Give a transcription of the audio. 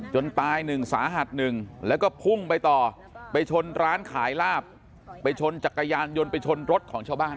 ตายหนึ่งสาหัสหนึ่งแล้วก็พุ่งไปต่อไปชนร้านขายลาบไปชนจักรยานยนต์ไปชนรถของชาวบ้าน